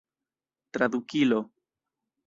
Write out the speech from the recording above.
tradukilo